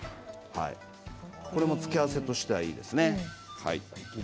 これも付け合わせとしてはいいですね。